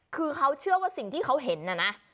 คือเขาเชื่อว่าสิ่งที่เขาเห็นน่ะนะ